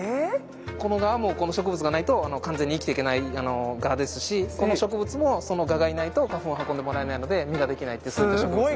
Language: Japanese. この蛾もこの植物がないと完全に生きていけない蛾ですしこの植物もその蛾がいないと花粉を運んでもらえないので実ができないってそういった植物です。